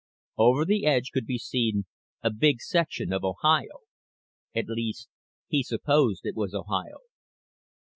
Over the edge could be seen a big section of Ohio. At least he supposed it was Ohio.